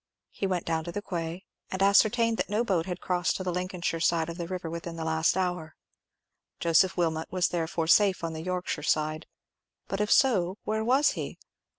He went down to the quay, and ascertained that no boat had crossed to the Lincolnshire side of the river within the last hour. Joseph Wilmot was therefore safe on the Yorkshire side; but if so, where was he?